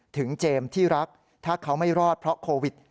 เจมส์ที่รักถ้าเขาไม่รอดเพราะโควิด